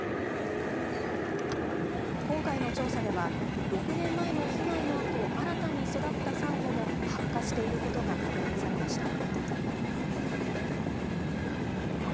今回の調査では、６年前の被害のあと新たに育ったサンゴも白化していることが確認されました。